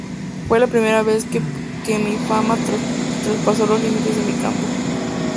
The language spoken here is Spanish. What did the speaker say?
Fue la primera vez que mi fama traspasó los límites de mi campo".